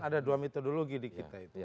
ada dua metodologi di kita itu